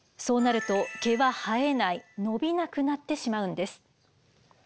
そうなると毛は生えない伸びなくなってしまうんです。